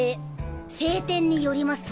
「正典」によりますと。